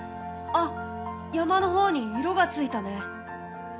あ山の方に色がついたね！